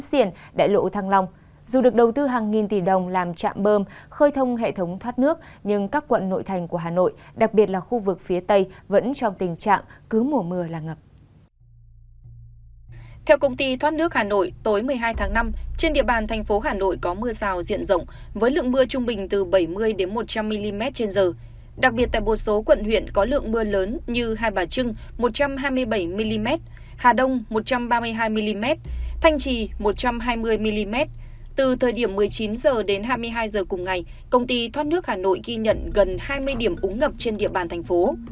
từ thời điểm một mươi chín h đến hai mươi hai h cùng ngày công ty thoát nước hà nội ghi nhận gần hai mươi điểm úng ngập trên địa bàn thành phố